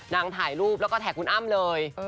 ถ่ายรูปแล้วก็แท็กคุณอ้ำเลย